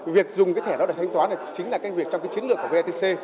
việc dùng cái thẻ đó để thanh toán này chính là cái việc trong cái chiến lược của vetc